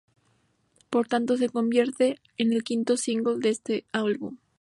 Por lo tanto, se convierte en el quinto single de este álbum.